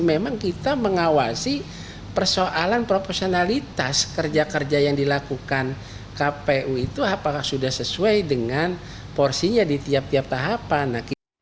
memang kita mengawasi persoalan proporsionalitas kerja kerja yang dilakukan kpu itu apakah sudah sesuai dengan porsinya di tiap tiap tahapan